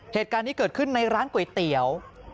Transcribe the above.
เหตุการณ์นี้เกิดขึ้นในร้านก๋วยเตี๋ยว